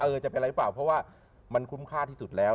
จะเป็นอะไรหรือเปล่าเพราะว่ามันคุ้มค่าที่สุดแล้ว